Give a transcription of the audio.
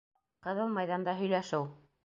Ҡыҙыл майҙанда һөйләшеү